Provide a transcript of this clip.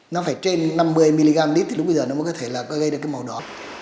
nó phải trên năm mươi mg lít thì lúc bây giờ nó mới có thể là có gây ra cái màu đỏ